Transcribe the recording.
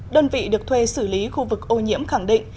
đơn vị được thuê xử lý khu vực ô nhiễm khẳng định